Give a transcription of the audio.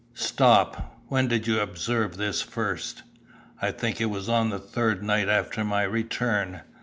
"Stop! When did you observe this first?" "I think it was on the third night after my return.